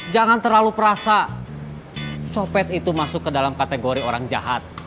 jangan terlalu perasa copet itu masuk ke dalam kategori orang jahat